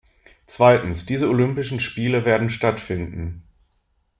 Zweitens, diese Olympischen Spiele werden stattfinden.